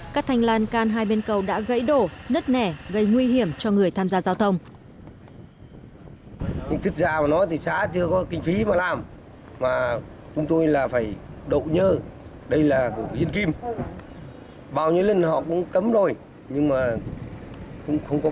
các thanh lan can hai bên cầu đã gãy đổ nứt nẻ gây nguy hiểm cho người tham gia giao thông